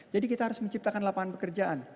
jadi kami harus menciptakan lapangan pekerjaan